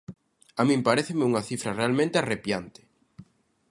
A min paréceme unha cifra realmente arrepiante.